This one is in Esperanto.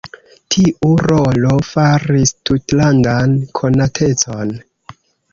Tiu rolo faris tutlandan konatecon.